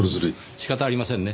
仕方ありませんね。